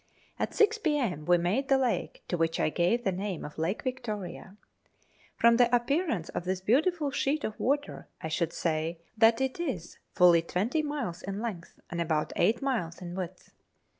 At six p.m. we made the lake, to which I gave the name of Lake Victoria. From the appearance of this beautiful sheet of water, I should say that it is fully 20 miles in length and about 8 miles in width.